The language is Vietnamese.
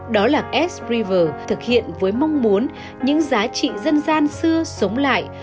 đó là s river thực hiện với mong muốn những giá trị dân gian xưa sống lại